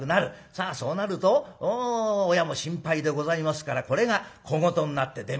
さあそうなると親も心配でございますからこれが小言になって出ますな。